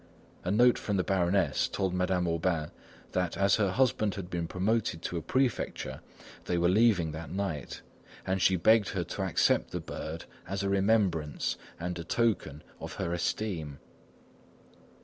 A note from the baroness told Madame Aubain that as her husband had been promoted to a prefecture, they were leaving that night, and she begged her to accept the bird as a remembrance and a token of her esteem.